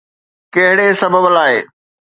ڪهڙي سبب لاءِ؟